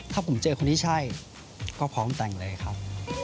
ถ้าผมเจอคนนี้ใช่ก็พร้อมแต่งเลยครับ